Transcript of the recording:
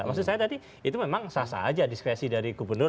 maksud saya tadi itu memang sah sah aja diskresi dari gubernur